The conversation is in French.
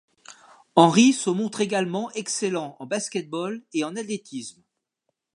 Henry se montre également excellent en basket-ball et en athlétisme.